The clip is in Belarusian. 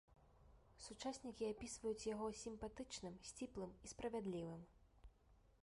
Сучаснікі апісваюць яго сімпатычным, сціплым і справядлівым.